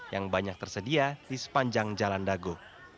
yang banyak tersedia di sepanjang jalan dago